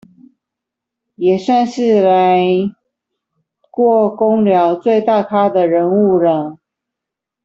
也算是來過工寮最大咖的人物了